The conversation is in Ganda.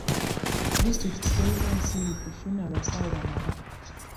Disitulikiti terina nsimbi kufuna basawo bamala.